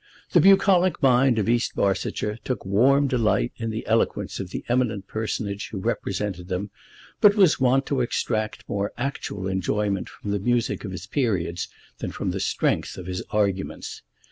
The bucolic mind of East Barsetshire took warm delight in the eloquence of the eminent personage who represented them, but was wont to extract more actual enjoyment from the music of his periods than from the strength of his arguments.